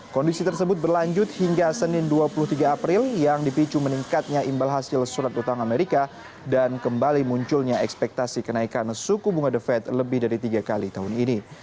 kondisi tersebut berlanjut hingga senin dua puluh tiga april yang dipicu meningkatnya imbal hasil surat utang amerika dan kembali munculnya ekspektasi kenaikan suku bunga the fed lebih dari tiga kali tahun ini